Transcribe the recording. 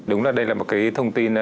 đúng là đây là một thông tin